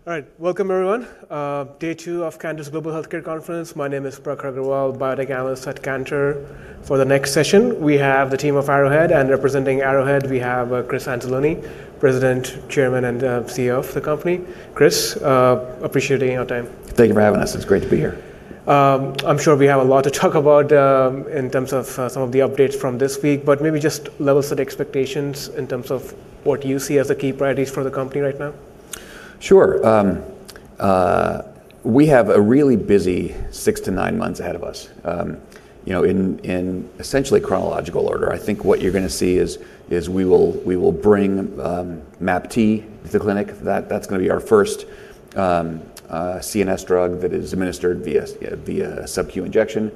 ... Good. All right, welcome everyone. Day two of Cantor's Global Healthcare Conference. My name is Prakhar Agrawal, biotech analyst at Cantor. For the next session, we have the team of Arrowhead, and representing Arrowhead, we have Christopher Anzalone, President, Chairman, and CEO of the company. Christopher, appreciate your time. Thank you for having us. It's great to be here. I'm sure we have a lot to talk about in terms of some of the updates from this week, but maybe just level set expectations in terms of what you see as the key priorities for the company right now. Sure, we have a really busy six to nine months ahead of us. You know, in essentially chronological order, I think what you're gonna see is we will bring MAPT to the clinic. That's gonna be our first CNS drug that is administered via a subq injection.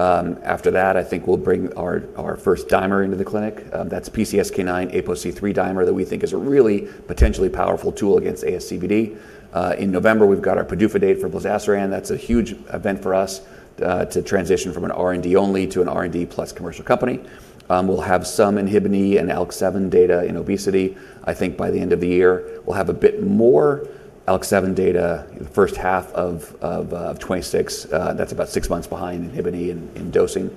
After that, I think we'll bring our first dimer into the clinic. That's PCSK9 ApoC3 dimer that we think is a really potentially powerful tool against ASCVD. In November, we've got our PDUFA date for plozasiran. That's a huge event for us to transition from an R&D only to an R&D plus commercial company. We'll have some Inhibin E and ALK7 data in obesity. I think by the end of the year, we'll have a bit more ALK7 data in the first half of 2026. That's about six months behind Inhibin E in dosing.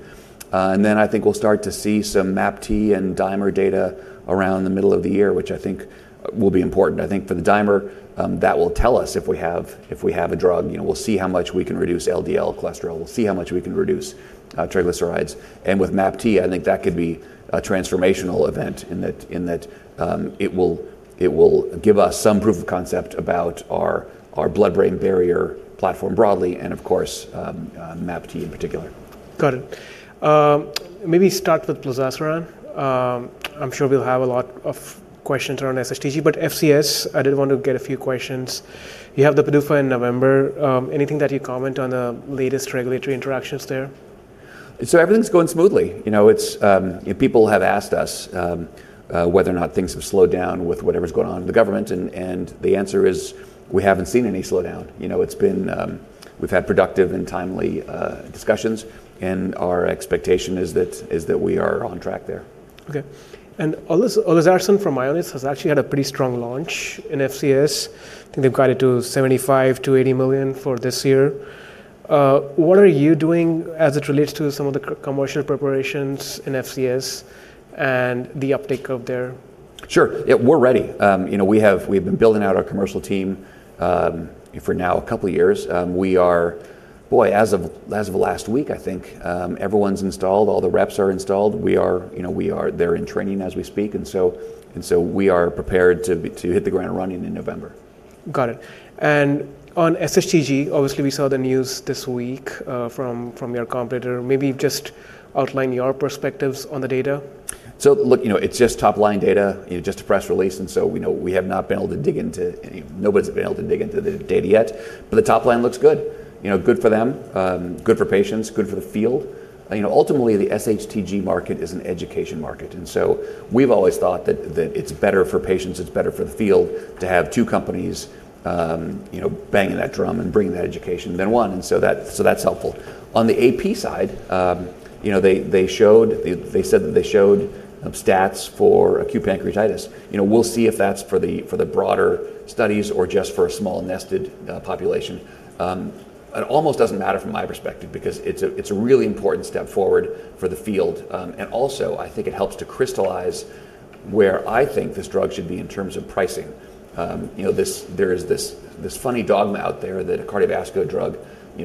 And then I think we'll start to see some MAPT and dimer data around the middle of the year, which I think will be important. I think for the dimer, that will tell us if we have... if we have a drug, you know, we'll see how much we can reduce LDL cholesterol. We'll see how much we can reduce triglycerides. And with MAPT, I think that could be a transformational event in that, it will give us some proof of concept about our blood-brain barrier platform broadly, and of course, MAPT in particular. Got it. Maybe start with plozasiran. I'm sure we'll have a lot of questions around SHTG, but FCS, I did want to get a few questions. You have the PDUFA in November. Anything that you comment on the latest regulatory interactions there? So everything's going smoothly. You know, it's. People have asked us whether or not things have slowed down with whatever's going on in the government, and the answer is, we haven't seen any slowdown. You know, it's been. We've had productive and timely discussions, and our expectation is that we are on track there. Okay, and Olezarsen from Ionis has actually had a pretty strong launch in FCS. I think they've guided to $75 million-$80 million for this year. What are you doing as it relates to some of the commercial preparations in FCS and the uptake of their- Sure. Yeah, we're ready. You know, we've been building out our commercial team for now a couple of years. Boy, as of last week, I think, everyone's installed, all the reps are installed. You know, they're in training as we speak, and so we are prepared to hit the ground running in November. Got it, and on SHTG, obviously, we saw the news this week, from your competitor. Maybe just outline your perspectives on the data. So look, you know, it's just top-line data, you know, just a press release, and so we know we have not been able to dig into anything. Nobody's been able to dig into the data yet, but the top line looks good. You know, good for them, good for patients, good for the field. You know, ultimately, the SHTG market is an education market, and so we've always thought that it's better for patients, it's better for the field to have two companies, you know, banging that drum and bringing that education than one, and so that's helpful. On the AP side, you know, they said that they showed stats for acute pancreatitis. You know, we'll see if that's for the broader studies or just for a small nested population. It almost doesn't matter from my perspective because it's a really important step forward for the field. And also, I think it helps to crystallize where I think this drug should be in terms of pricing. You know, there is this funny dogma out there that a cardiovascular drug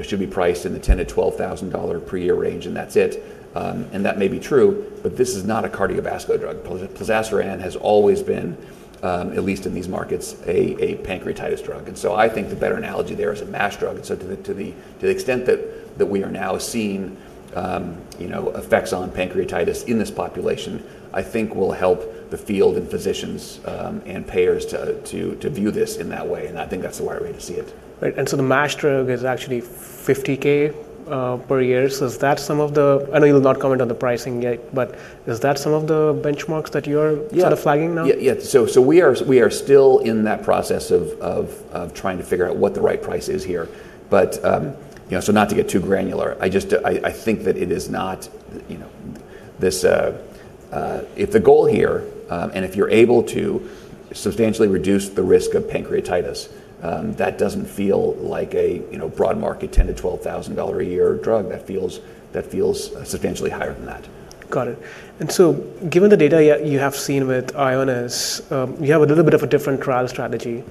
should be priced in the $10,000-$12,000 per year range, and that's it. And that may be true, but this is not a cardiovascular drug. Plozasiran has always been, at least in these markets, a pancreatitis drug, and so I think the better analogy there is a MASH drug. And so to the extent that we are now seeing, you know, effects on pancreatitis in this population, I think will help the field and physicians, and payers to view this in that way, and I think that's the right way to see it. Right, and so the MASH drug is actually $50,000 per year. So is that some of the... I know you'll not comment on the pricing yet, but is that some of the benchmarks that you're- Yeah... sort of flagging now? Yeah, yeah. We are still in that process of trying to figure out what the right price is here. But you know, so not to get too granular, I think that it is not, you know. If the goal here and if you're able to substantially reduce the risk of pancreatitis, that doesn't feel like a you know, broad market, $10,000-$12,000 a year drug. That feels substantially higher than that. Got it, and so given the data you have seen with Ionis, you have a little bit of a different trial strategy,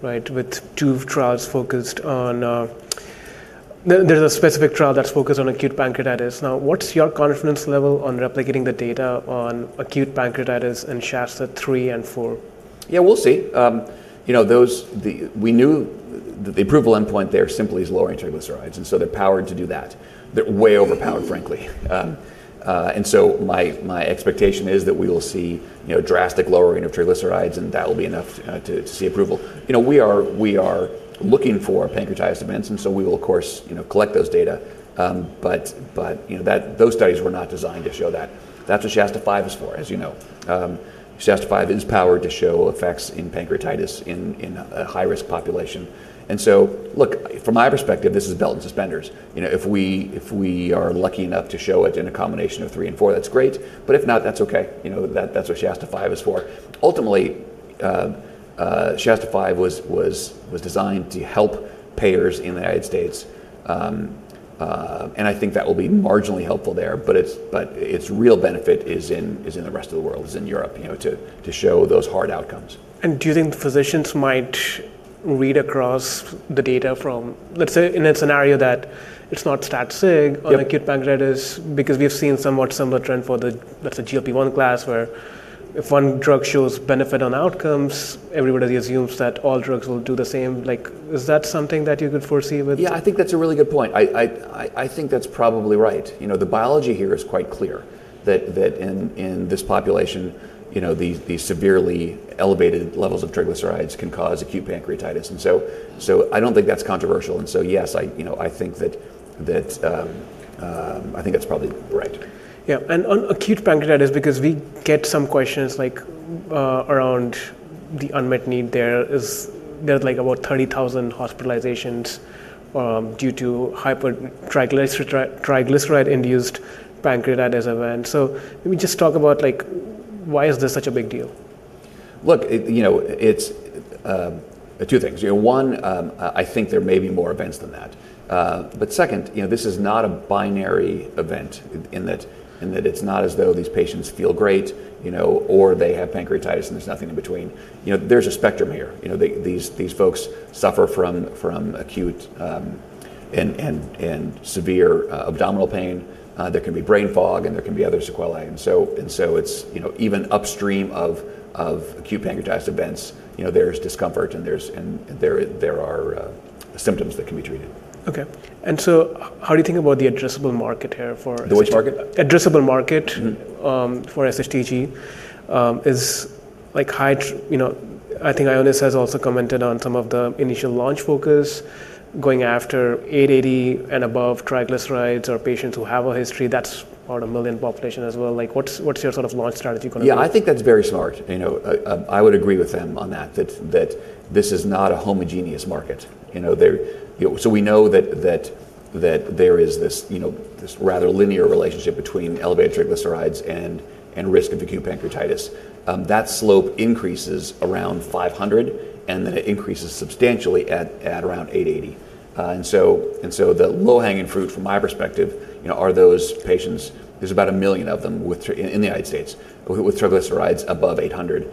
right, with two trials focused on. There's a specific trial that's focused on acute pancreatitis. Now, what's your confidence level on replicating the data on acute pancreatitis in SHASTA three and four? Yeah, we'll see. You know, we knew the approval endpoint there simply is lowering triglycerides, and so they're powered to do that. They're way overpowered, frankly, and so my expectation is that we will see, you know, drastic lowering of triglycerides, and that will be enough to see approval. You know, we are looking for pancreatitis events, and so we will, of course, you know, collect those data. But, you know, those studies were not designed to show that. That's what SHASTA five is for, as you know. SHASTA five is powered to show effects in pancreatitis in a high-risk population, and so look, from my perspective, this is belt and suspenders. You know, if we are lucky enough to show it in a combination of three and four, that's great, but if not, that's okay. You know, that's what SHASTA five is for. Ultimately, SHASTA five was designed to help payers in the United States, and I think that will be marginally helpful there, but its real benefit is in the rest of the world, is in Europe, you know, to show those hard outcomes. And do you think the physicians might read across the data from, let's say, in a scenario that it's not stat sig? Yeah on acute pancreatitis, because we've seen somewhat similar trend for the, let's say, GLP-1 class, where if one drug shows benefit on outcomes, everybody assumes that all drugs will do the same. Like, is that something that you could foresee with- Yeah, I think that's a really good point. I think that's probably right. You know, the biology here is quite clear, that in this population, you know, the severely elevated levels of triglycerides can cause acute pancreatitis, and so I don't think that's controversial. And so, yes, you know, I think that's probably right. Yeah, and on acute pancreatitis, because we get some questions like, around the unmet need there is, like, about 30,000 hospitalizations due to hypertriglyceride-induced pancreatitis event. So can we just talk about, like, why is this such a big deal? Look, it... You know, it's two things. You know, one, I think there may be more events than that. But second, you know, this is not a binary event in that it's not as though these patients feel great, you know, or they have pancreatitis, and there's nothing in between. You know, there's a spectrum here. You know, these folks suffer from acute and severe abdominal pain. There can be brain fog, and there can be other sequelae. And so it's, you know, even upstream of acute pancreatitis events, you know, there's discomfort, and there are symptoms that can be treated. Okay. And so how do you think about the addressable market here for? The which market? Addressable market- Mm-hmm... for SHTG, is like high tr- You know, I think Ionis has also commented on some of the initial launch focus, going after 880 and above triglycerides or patients who have a history that's part of million population as well. Like, what's, what's your sort of launch strategy going to be? Yeah, I think that's very smart. You know, I would agree with them on that, that this is not a homogeneous market, you know. You know, so we know that there is this, you know, this rather linear relationship between elevated triglycerides and risk of acute pancreatitis. That slope increases around 500, and then it increases substantially at around 880. And so the low-hanging fruit from my perspective, you know, are those patients. There's about a million of them in the United States with triglycerides above 800.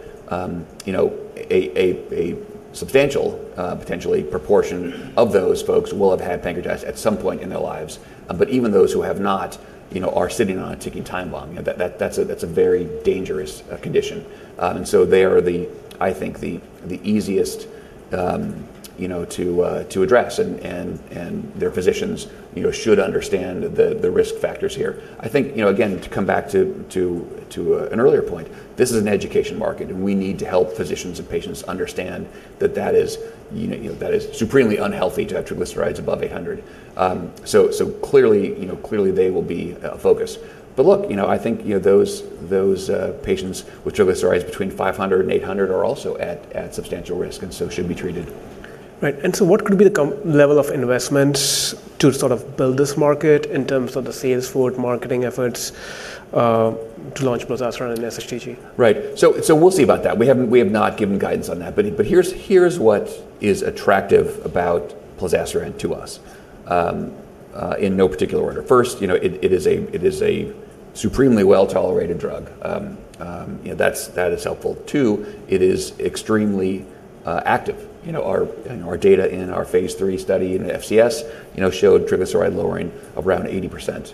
You know, a substantial potentially proportion of those folks will have had pancreatitis at some point in their lives. But even those who have not, you know, are sitting on a ticking time bomb. You know, that's a very dangerous condition. And so they are the easiest, you know, to address, and their physicians, you know, should understand the risk factors here. I think, you know, again, to come back to an earlier point, this is an education market, and we need to help physicians and patients understand that that is, you know, that is supremely unhealthy to have triglycerides above 800. So clearly, you know, clearly they will be a focus. But look, you know, I think, you know, those patients with triglycerides between 500 and 800 are also at substantial risk, and so should be treated. Right. And so what could be the commercial level of investment to sort of build this market in terms of the sales force, marketing efforts, to launch plozasiran and SHTG? Right. We'll see about that. We have not given guidance on that, but here's what is attractive about plozasiran to us, in no particular order. First, you know, it is a supremely well-tolerated drug. You know, that is helpful. Two, it is extremely active. You know, our data in our phase 3 study in FCS showed triglyceride lowering of around 80%.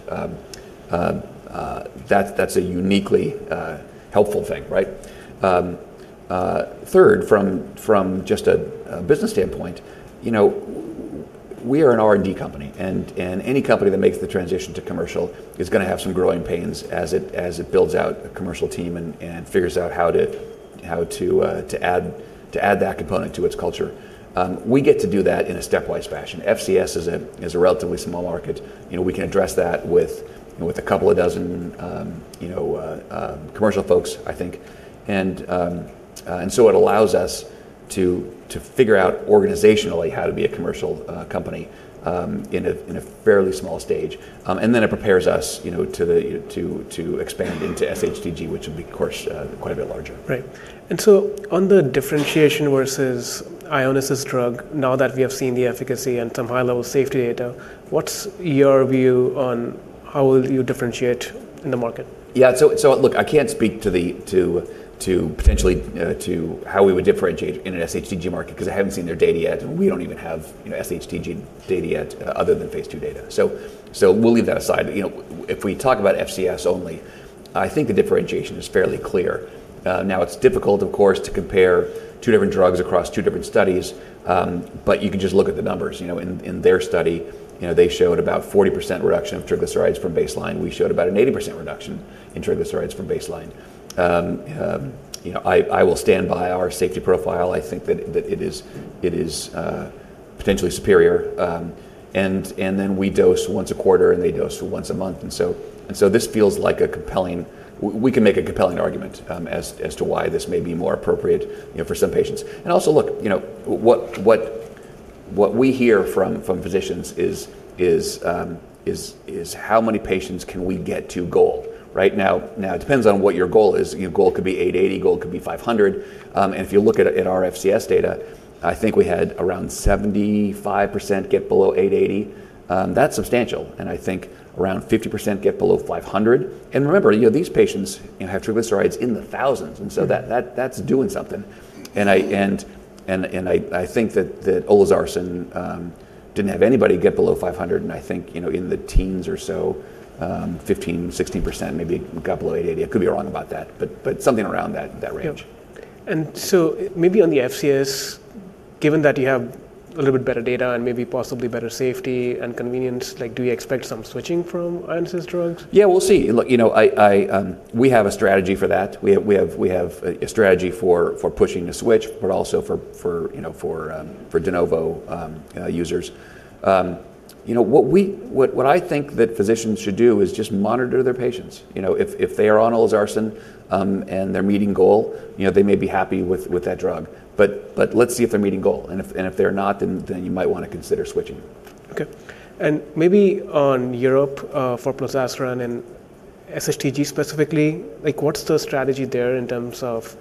That's a uniquely helpful thing, right? Third, from just a business standpoint, you know, we are an R&D company, and any company that makes the transition to commercial is gonna have some growing pains as it builds out a commercial team and figures out how to add that component to its culture. We get to do that in a stepwise fashion. FCS is a relatively small market. You know, we can address that with a couple of dozen commercial folks, I think. And so it allows us to figure out organizationally how to be a commercial company in a fairly small stage. And then it prepares us, you know, to expand into SHTG, which would be, of course, quite a bit larger. Right. And so on the differentiation versus Ionis's drug, now that we have seen the efficacy and some high-level safety data, what's your view on how will you differentiate in the market? Yeah. So look, I can't speak to potentially how we would differentiate in an SHTG market because I haven't seen their data yet. We don't even have, you know, SHTG data yet other than phase II data. So we'll leave that aside. You know, if we talk about FCS only, I think the differentiation is fairly clear. Now it's difficult, of course, to compare two different drugs across two different studies, but you can just look at the numbers. You know, in their study, they showed about 40% reduction of triglycerides from baseline. We showed about an 80% reduction in triglycerides from baseline. You know, I will stand by our safety profile. I think that it is potentially superior. And then we dose once a quarter, and they dose once a month, and so this feels like a compelling. We can make a compelling argument as to why this may be more appropriate, you know, for some patients. And also, look, you know, what we hear from physicians is: how many patients can we get to goal, right? Now, it depends on what your goal is. You know, goal could be 880, goal could be 500. And if you look at our FCS data, I think we had around 75% get below 880. That's substantial, and I think around 50% get below 500. And remember, you know, these patients, you know, have triglycerides in the thousands, and so that, that's doing something. And I... I think that olezarsen didn't have anybody get below 500, and I think, you know, in the teens or so, 15%-16%, maybe a couple below 880. I could be wrong about that, but something around that range. Yeah. And so maybe on the FCS, given that you have a little bit better data and maybe possibly better safety and convenience, like, do you expect some switching from Amgen's drugs? Yeah, we'll see. Look, you know, we have a strategy for that. We have a strategy for pushing the switch, but also for you know, for de novo users. You know, what I think that physicians should do is just monitor their patients. You know, if they are on olezarsen and they're meeting goal, you know, they may be happy with that drug. But let's see if they're meeting goal, and if they're not, then you might wanna consider switching. Okay, and maybe on Europe, for plozasiran and SHTG specifically, like, what's the strategy there in terms of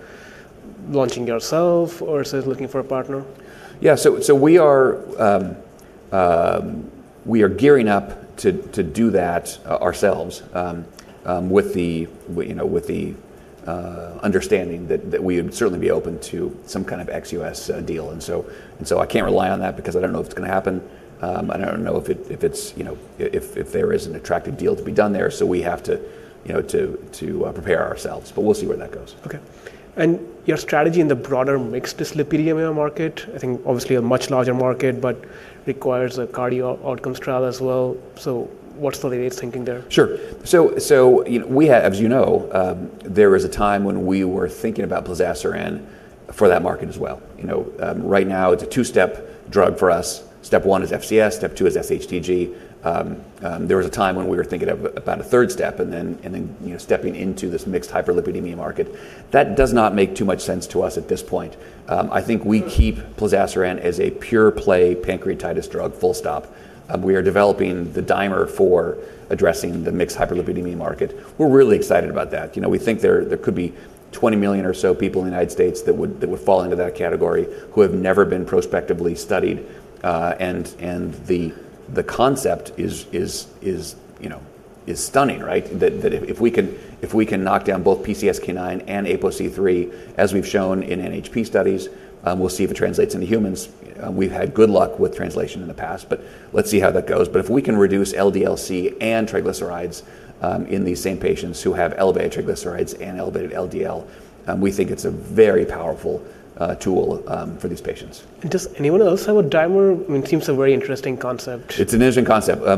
launching yourself or is it looking for a partner? Yeah, so we are gearing up to do that ourselves, with, you know, with the understanding that we would certainly be open to some kind of ex U.S. deal, and so I can't rely on that because I don't know if it's gonna happen, and I don't know if it's, you know, if there is an attractive deal to be done there, so we have to, you know, to prepare ourselves, but we'll see where that goes. Okay. And your strategy in the broader mixed dyslipidemia market, I think obviously a much larger market, but requires a cardio outcomes trial as well. So what's the latest thinking there? Sure. So, you know, we have. As you know, there was a time when we were thinking about plozasiran for that market as well. You know, right now it's a two-step drug for us. Step one is FCS, step two is SHTG. There was a time when we were thinking about a third step, and then you know, stepping into this mixed hyperlipidemia market. That does not make too much sense to us at this point. I think we keep plozasiran as a pure play pancreatitis drug, full stop. We are developing the dimer for addressing the mixed hyperlipidemia market. We're really excited about that. You know, we think there could be 20 million or so people in the United States that would fall into that category, who have never been prospectively studied. The concept is, you know, stunning, right? That if we can knock down both PCSK9 and APOC3, as we've shown in NHP studies, we'll see if it translates into humans. We've had good luck with translation in the past, but let's see how that goes. But if we can reduce LDL-C and triglycerides in these same patients who have elevated triglycerides and elevated LDL, we think it's a very powerful tool for these patients. Does anyone else have a dimer? I mean, it seems a very interesting concept. It's an interesting concept. I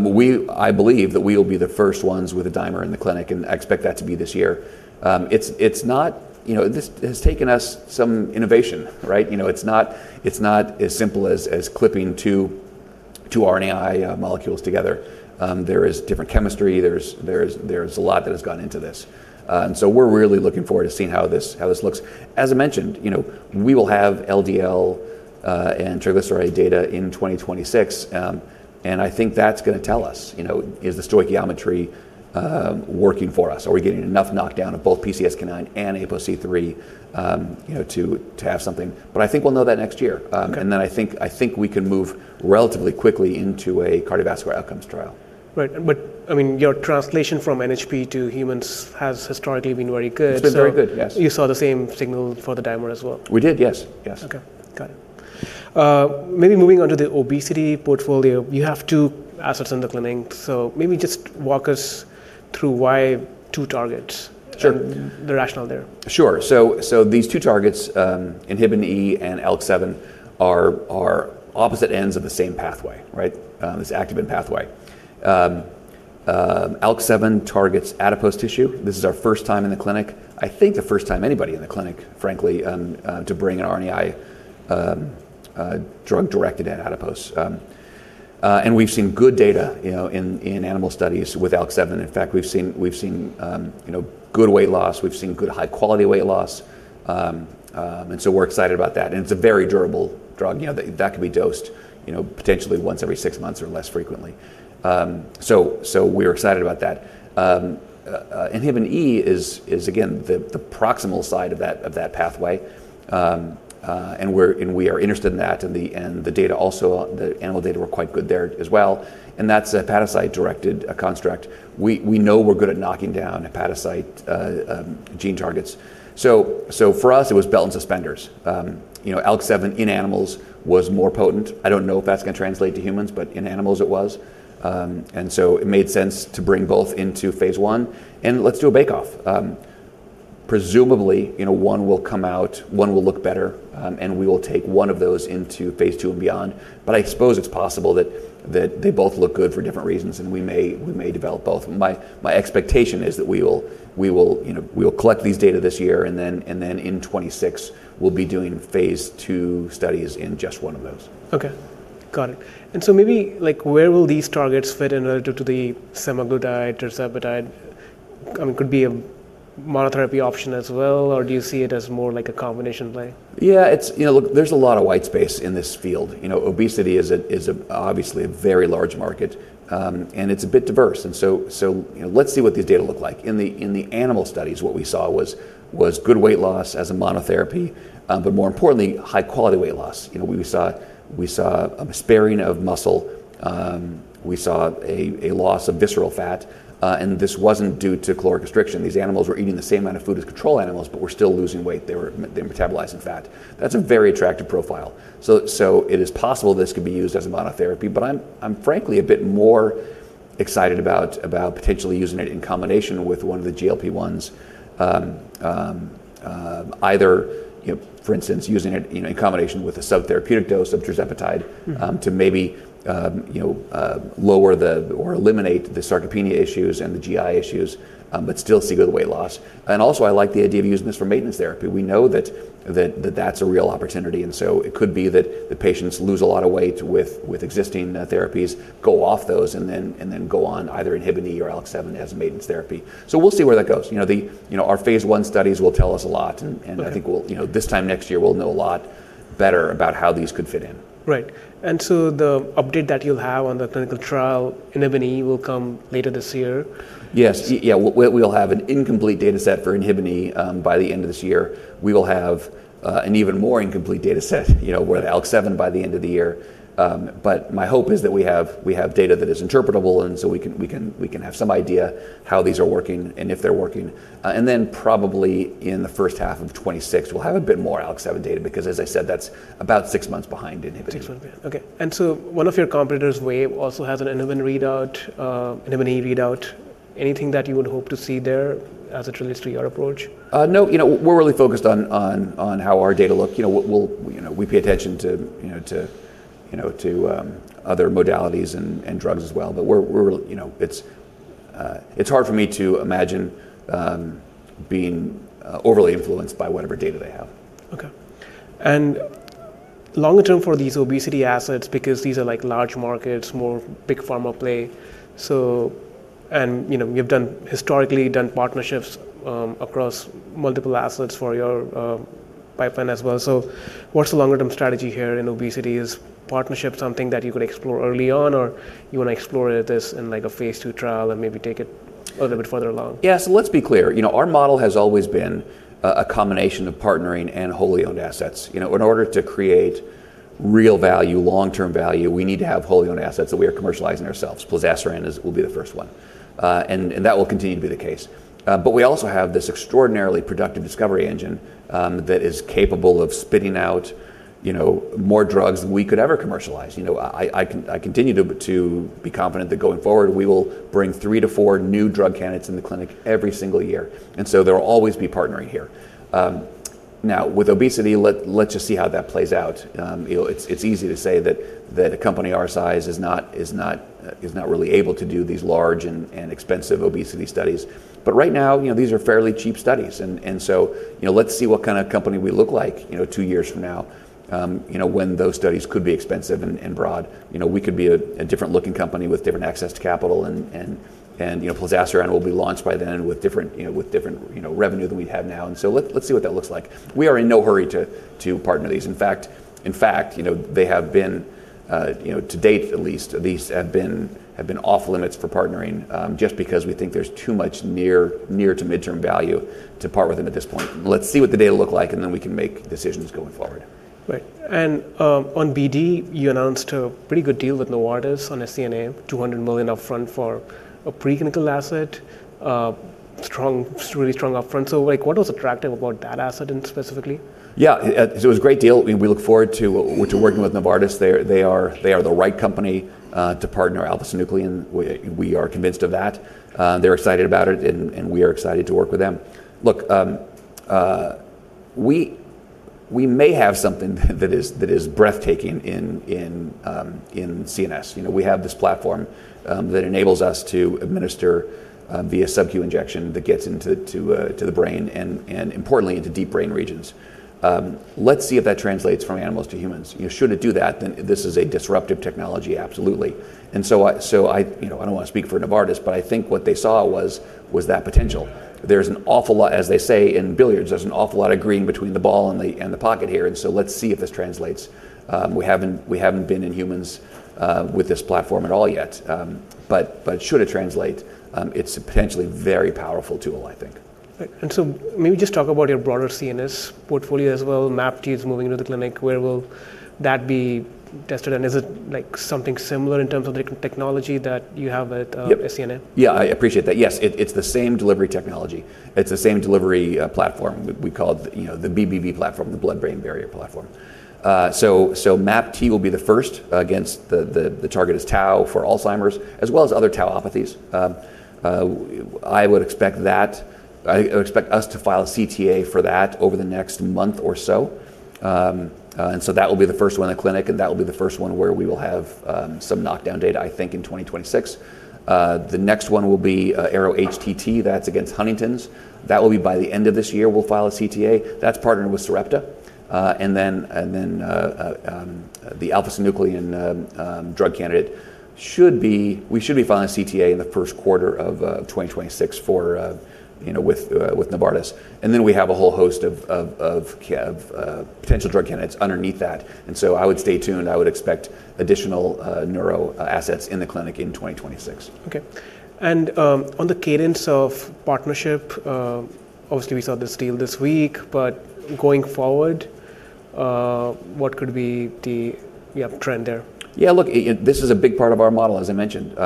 believe that we will be the first ones with a dimer in the clinic, and I expect that to be this year. It's not... You know, this has taken us some innovation, right? You know, it's not as simple as clipping two RNAi molecules together. There is different chemistry. There's a lot that has gone into this. And so we're really looking forward to seeing how this looks. As I mentioned, you know, we will have LDL and triglyceride data in 2026, and I think that's gonna tell us, you know, is the stoichiometry working for us? Are we getting enough knockdown of both PCSK9 and APOC3, you know, to have something? But I think we'll know that next year. Okay. And then I think, I think we can move relatively quickly into a cardiovascular outcomes trial. Right. But, I mean, your translation from NHP to humans has historically been very good, so- It's been very good. Yes. You saw the same signal for the dimer as well? We did, yes. Yes. Okay. Got it. Maybe moving on to the obesity portfolio, you have two assets in the clinic, so maybe just walk us through why two targets? Sure... and the rationale there. Sure. So these two targets, Inhibin E and ELK seven, are opposite ends of the same pathway, right? This activin pathway. ELK seven targets adipose tissue. This is our first time in the clinic, I think the first time anybody in the clinic, frankly, to bring an RNAi drug directed at adipose. And we've seen good data, you know, in animal studies with ELK seven. In fact, we've seen good weight loss. We've seen good, high-quality weight loss. And so we're excited about that, and it's a very durable drug, you know, that could be dosed, you know, potentially once every six months or less frequently. So we're excited about that. Inhibin E is again the proximal side of that pathway. And we are interested in that, and the data also, the animal data were quite good there as well, and that's a hepatocyte-directed construct. We know we're good at knocking down hepatocyte gene targets. So for us, it was belt and suspenders. You know, ELK seven in animals was more potent. I don't know if that's gonna translate to humans, but in animals it was. And so it made sense to bring both into phase one, and let's do a bake off. Presumably, you know, one will come out, one will look better, and we will take one of those into phase two and beyond. But I suppose it's possible that they both look good for different reasons, and we may develop both. My expectation is that we will, you know, we will collect these data this year, and then in 2026, we'll be doing phase two studies in just one of those. Okay. Got it. And so maybe, like, where will these targets fit in relative to the semaglutide, tirzepatide? It could be a monotherapy option as well, or do you see it as more like a combination play? Yeah, it's. You know, look, there's a lot of white space in this field. You know, obesity is obviously a very large market, and it's a bit diverse, and so, you know, let's see what these data look like. In the animal studies, what we saw was good weight loss as a monotherapy, but more importantly, high-quality weight loss. You know, we saw a sparing of muscle, we saw a loss of visceral fat, and this wasn't due to caloric restriction. These animals were eating the same amount of food as control animals, but were still losing weight. They were metabolizing fat. That's a very attractive profile. So, it is possible this could be used as a monotherapy, but I'm frankly a bit more-... Excited about potentially using it in combination with one of the GLP-1s. Either, you know, for instance, using it, you know, in combination with a subtherapeutic dose of tirzepatide- Mm-hmm To maybe, you know, lower or eliminate the sarcopenia issues and the GI issues, but still see good weight loss. Also I like the idea of using this for maintenance therapy. We know that that's a real opportunity, and so it could be that the patients lose a lot of weight with existing therapies, go off those, and then go on eitherInhibin E or ALK7 as maintenance therapy. We'll see where that goes. You know, our phase 1 studies will tell us a lot. Okay. I think we'll... You know, this time next year we'll know a lot better about how these could fit in. Right, and so the update that you'll have on the clinical trial, Inhibin E, will come later this year? Yes. Yeah, we'll have an incomplete data set forInhibin E by the end of this year. We will have an even more incomplete data set, you know, with ALK7 by the end of the year. But my hope is that we have data that is interpretable, and so we can have some idea how these are working and if they're working. And then probably in the first half of 2026, we'll have a bit more ALK7 data because, as I said, that's about six months behindInhibin E. Six months behind. Okay. And so one of your competitors, Wave, also has an Inhibin E readout. Anything that you would hope to see there as it relates to your approach? No, you know, we're really focused on how our data look. You know, we pay attention to other modalities and drugs as well, but we're really. You know, it's hard for me to imagine being overly influenced by whatever data they have. Okay. And longer term for these obesity assets, because these are, like, large markets, more big pharma play, so... And, you know, you've historically done partnerships across multiple assets for your pipeline as well. So what's the longer term strategy here in obesity? Is partnership something that you could explore early on, or you wanna explore this in, like, a phase 2 trial and maybe take it a little bit further along? Yeah, so let's be clear, you know, our model has always been a combination of partnering and wholly owned assets. You know, in order to create real value, long-term value, we need to have wholly owned assets that we are commercializing ourselves. Plozasiran will be the first one, and that will continue to be the case. But we also have this extraordinarily productive discovery engine that is capable of spitting out, you know, more drugs than we could ever commercialize. You know, I continue to be confident that going forward we will bring three to four new drug candidates in the clinic every single year, and so there will always be partnering here. Now, with obesity, let's just see how that plays out. You know, it's easy to say that a company our size is not really able to do these large and expensive obesity studies. But right now, you know, these are fairly cheap studies, and so, you know, let's see what kind of company we look like, you know, two years from now, you know, when those studies could be expensive and broad. You know, we could be a different-looking company with different access to capital, and you know, Plozasiran will be launched by then with different revenue than we have now. And so let's see what that looks like. We are in no hurry to partner these. In fact, you know, they have been... You know, to date at least, these have been off limits for partnering, just because we think there's too much near to midterm value to part with them at this point. Let's see what the data look like, and then we can make decisions going forward. Right. And, on BD, you announced a pretty good deal with Novartis on SNCA, $200 million upfront for a preclinical asset. Strong, really strong upfront. So, like, what was attractive about that asset in specifically? Yeah, it was a great deal. We look forward to working with Novartis. They are the right company to partner alpha-synuclein. We are convinced of that. They're excited about it, and we are excited to work with them. Look, we may have something that is breathtaking in CNS. You know, we have this platform that enables us to administer via subQ injection that gets into the brain and importantly, into deep brain regions. Let's see if that translates from animals to humans. You know, should it do that, then this is a disruptive technology. Absolutely. And so I... You know, I don't want to speak for Novartis, but I think what they saw was that potential. There's an awful lot... As they say in billiards, there's an awful lot of green between the ball and the pocket here, and so let's see if this translates. We haven't been in humans with this platform at all yet. But should it translate, it's a potentially very powerful tool, I think. Right. And so maybe just talk about your broader CNS portfolio as well. MAPT is moving into the clinic. Where will that be tested, and is it, like, something similar in terms of the technology that you have with, Yep... SNCA? Yeah, I appreciate that. Yes, it, it's the same delivery technology. It's the same delivery, platform. We call it, you know, the BBB platform, the blood-brain barrier platform. So MAPT will be the first against the. The target is tau for Alzheimer's, as well as other tauopathies. I expect us to file a CTA for that over the next month or so. And so that will be the first one in the clinic, and that will be the first one where we will have some knockdown data, I think, in 2026. The next one will be ARO-HTT, that's against Huntington's. That will be by the end of this year we'll file a CTA. That's partnering with Sarepta. And then the alpha-synuclein drug candidate, we should be filing a CTA in the Q1 of 2026 for, you know, with Novartis. And then we have a whole host of potential drug candidates underneath that, and so I would stay tuned. I would expect additional neuro assets in the clinic in 2026. Okay. And on the cadence of partnership, obviously we saw this deal this week, but going forward, what could be the trend there? Yeah, look, this is a big part of our model, as I mentioned.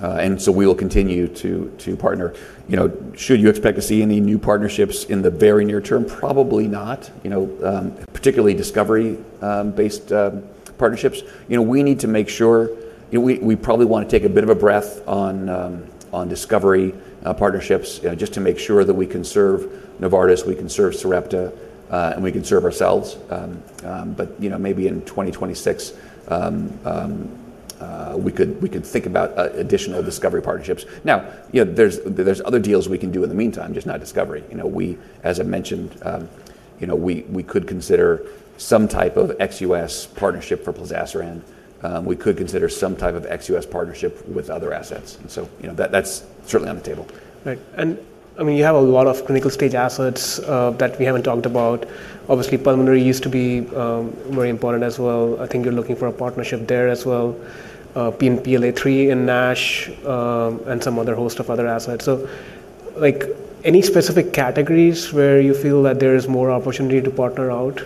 And so we will continue to partner. You know, should you expect to see any new partnerships in the very near term? Probably not. You know, particularly discovery based partnerships. You know, we need to make sure. You know, we probably wanna take a bit of a breath on discovery partnerships, just to make sure that we can serve Novartis, we can serve Sarepta, and we can serve ourselves. But, you know, maybe in 2026, we could think about additional discovery partnerships. Now, you know, there's other deals we can do in the meantime, just not discovery. You know, as I mentioned, you know, we could consider some type of ex-US partnership for plozasiran. We could consider some type of ex-US partnership with other assets, and so, you know, that's certainly on the table. Right. And, I mean, you have a lot of clinical stage assets that we haven't talked about. Obviously, pulmonary used to be very important as well. I think you're looking for a partnership there as well, PNPLA3 and NASH, and some other host of other assets. So, like, any specific categories where you feel that there is more opportunity to partner out?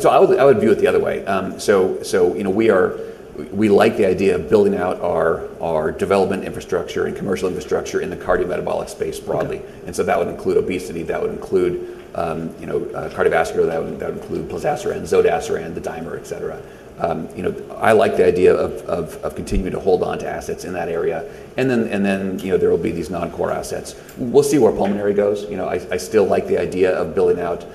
So, I would view it the other way. So, you know, we like the idea of building out our development infrastructure and commercial infrastructure in the cardiometabolic space broadly. Okay. And so that would include obesity, that would include, you know, cardiovascular, that would, that would include plozasiran, zodasiran, the dimer, et cetera. You know, I like the idea of continuing to hold on to assets in that area. And then, you know, there will be these non-core assets. We'll see where pulmonary goes. You know, I still like the idea of building out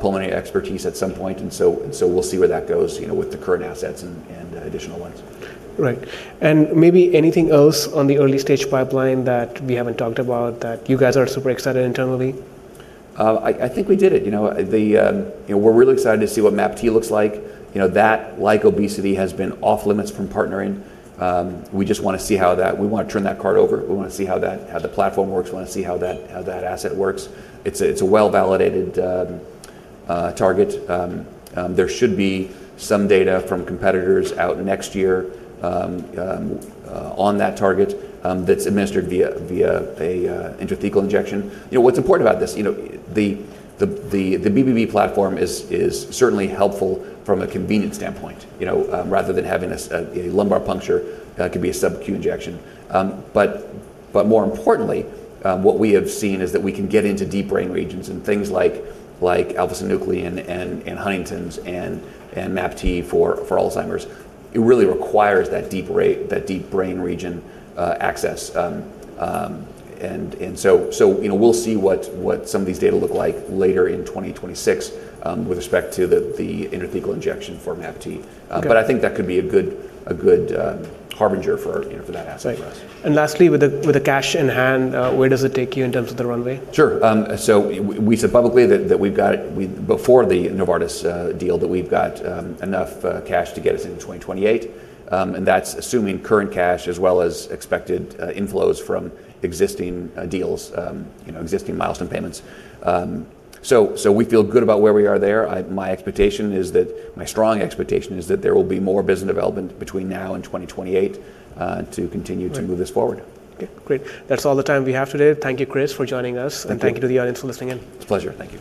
pulmonary expertise at some point, and so we'll see where that goes, you know, with the current assets and additional ones. Right. And maybe anything else on the early-stage pipeline that we haven't talked about that you guys are super excited internally? I think we did it. You know, we're really excited to see what MAPT looks like. You know, that, like obesity, has been off limits from partnering. We just wanna see how that. We wanna turn that card over. We wanna see how that, how the platform works. We wanna see how that, how that asset works. It's a well-validated target. There should be some data from competitors out next year on that target that's administered via a intrathecal injection. You know, what's important about this, the BBB platform is certainly helpful from a convenience standpoint. You know, rather than having a lumbar puncture, it could be a subq injection. But more importantly, what we have seen is that we can get into deep brain regions and things like alpha-synuclein and Huntington's and MAPT for Alzheimer's. It really requires that deep brain region access, and so, you know, we'll see what some of these data look like later in 2026 with respect to the intrathecal injection for MAPT. Okay. But I think that could be a good harbinger for, you know, for that asset for us. Right. And lastly, with the cash in hand, where does it take you in terms of the runway? Sure. So we said publicly that before the Novartis deal we've got enough cash to get us into 2028. And that's assuming current cash as well as expected inflows from existing deals, you know, existing milestone payments. So we feel good about where we are there. My strong expectation is that there will be more business development between now and 2028 to continue. Right... to move this forward. Okay, great. That's all the time we have today. Thank you, Christopher, for joining us. Thank you. Thank you to the audience for listening in. It's a pleasure. Thank you.